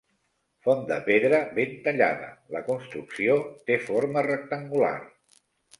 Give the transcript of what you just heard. Font de pedra ben tallada, la construcció té forma rectangular.